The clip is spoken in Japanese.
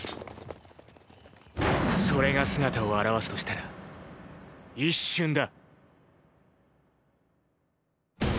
それが姿を現すとしたら一瞬だ。